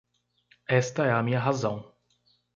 Esta é a minha razão